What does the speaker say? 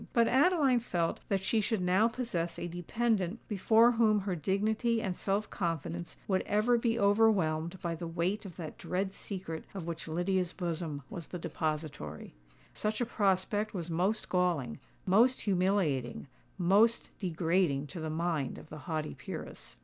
But Adeline felt that she should now possess a dependant before whom her dignity and self confidence would ever be overwhelmed by the weight of that dread secret of which Lydia's bosom was the depository. Such a prospect was most galling—most humiliating—most degrading to the mind of the haughty peeress.